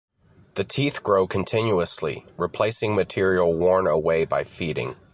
The teeth grow continuously, replacing material worn away by feeding.